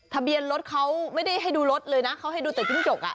ทะเบียนรถเขาไม่ได้ให้ดูรถเลยนะเขาให้ดูแต่จิ้งจกอ่ะ